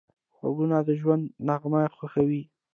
غوږونه د ژوند نغمه خوښوي